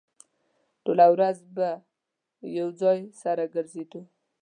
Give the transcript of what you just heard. ټوله ورځ به يو ځای سره ګرځېدو.